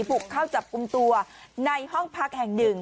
บุกเข้าจับกลุ่มตัวในห้องพักแห่งหนึ่ง